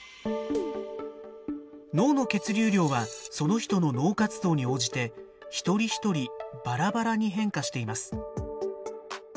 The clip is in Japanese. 脳の血流量はその人の脳活動に応じて一人一人ばらばらに変化しています。